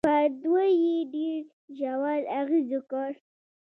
پر دوی يې ډېر ژور اغېز وکړ.